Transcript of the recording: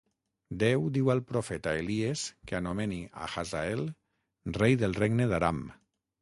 Déu diu al profeta Elies que anomeni a Hazael rei del regne d'Aram.